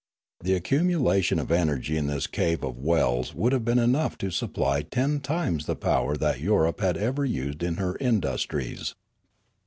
The accumulation of energy in this cave of the wells would have been enough to supply ten times the power that Europe had ever used in her industries.